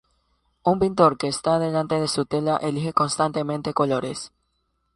Un pintor que está delante de su tela elige constantemente colores.